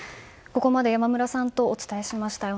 ここまで山村さんとお伝えしました。